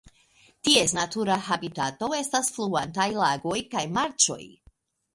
Ties natura habitato estas fluantaj lagoj kaj marĉoj.